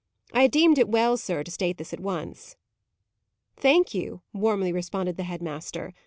I deemed it well, sir, to state this at once." "Thank you," warmly responded the head master.